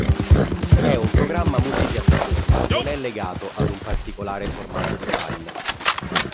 È un programma multipiattaforma non è legato ad un particolare formato di file.